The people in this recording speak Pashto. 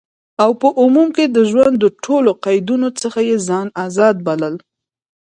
او په عموم کی د ژوند د ټولو قیدونو څخه یی ځان آزاد بلل،